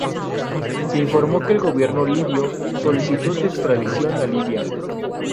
Se informó que el gobierno libio solicitó su extradición a Libia.